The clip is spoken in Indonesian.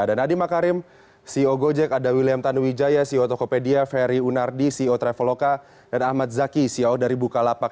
ada nadiem makarim ceo gojek ada william tanuwijaya ceo tokopedia ferry unardi ceo traveloka dan ahmad zaki ceo dari bukalapak